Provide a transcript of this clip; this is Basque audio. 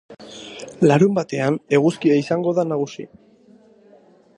Larunbatean eguzkia izango da nagusi.